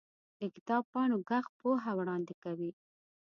د کتاب پاڼو ږغ پوهه وړاندې کوي.